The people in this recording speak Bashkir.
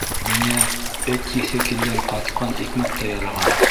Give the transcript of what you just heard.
Миңә эт еҫе килгән ҡатҡан икмәк тә яраған.